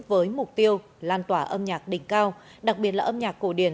với mục tiêu lan tỏa âm nhạc đỉnh cao đặc biệt là âm nhạc cổ điển